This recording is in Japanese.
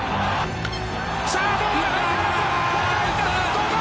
どうだ！